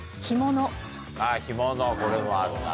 干物これもあるな。